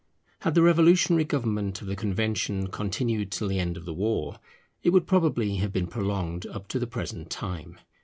Had the revolutionary government of the Convention continued till the end of the war, it would probably have been prolonged up to the present time.